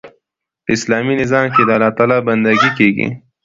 په اسلامي نظام کښي د الله تعالی بندګي کیږي.